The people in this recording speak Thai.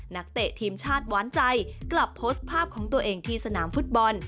นักเตะทีมชาติหวานใจกลับโพสต์ภาพของตัวเองที่สนามฟุตบอล